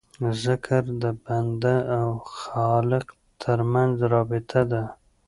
ذکر د بنده او خالق ترمنځ رابطه ده.